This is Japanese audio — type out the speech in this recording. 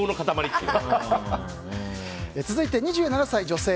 続いて、２７歳女性。